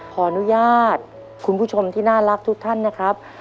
ขออนุญาตคุณผู้ชมที่น่ารักทุกท่านนะครับ